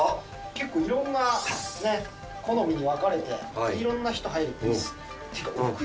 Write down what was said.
結構いろんな好みに分かれて、いろんな人、入る。